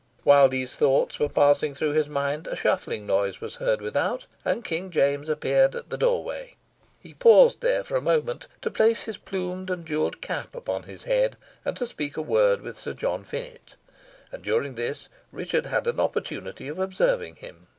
While these thoughts were passing through his mind, a shuffling noise was heard without, and King James appeared at the doorway. He paused there for a moment to place his plumed and jewelled cap upon his head, and to speak a word with Sir John Finett, and during this Richard had an opportunity of observing him.